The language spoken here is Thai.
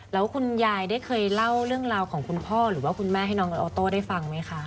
แล้วคุณยายได้เคยเล่าเรื่องราวของคุณพ่อหรือว่าคุณแม่ให้น้องออโต้ได้ฟังไหมคะ